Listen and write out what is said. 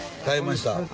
買いました。